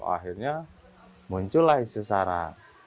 akhirnya muncullah isu isu arah